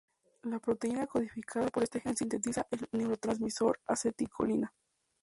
La proteína codificada por este gen sintetiza el neurotransmisor acetilcolina.